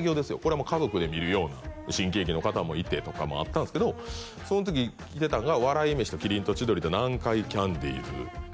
これはもう家族で見るような新喜劇の方もいてとかもあったんですけどその時に来てたんが笑い飯と麒麟と千鳥と南海キャンディーズ